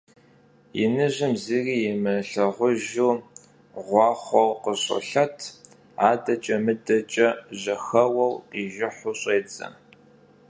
Yinıjım zıri yimılhağujju ğuaxhueu khışolhet, adeç'e - mıdeç'e jexeueu khijjıhu ş'êdze.